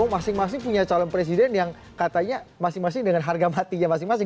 masing masing punya calon presiden yang katanya masing masing dengan harga matinya masing masing